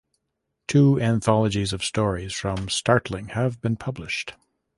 Two anthologies of stories from "Startling" have been published.